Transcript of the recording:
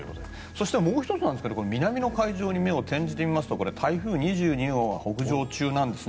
そしてもう１つ南の海上に目を転じてみると台風２２号が北上中です。